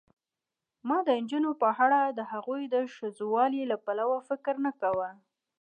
ما د نجونو په اړه دهغو د ښځوالي له پلوه فکر نه کاوه.